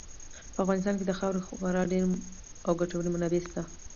په افغانستان کې د خاورې خورا ډېرې او ګټورې منابع شته.